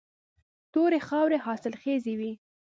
تورې خاورې حاصلخیزې وي.